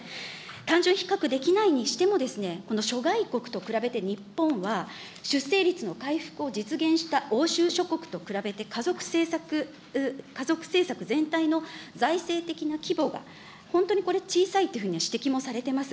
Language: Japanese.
単純比較できないにして、この諸外国と比べて日本は出生率の回復を実現した欧州諸国と比べて家族政策全体の財政的な規模が本当にこれ、小さいっていうふうな指摘もされてます。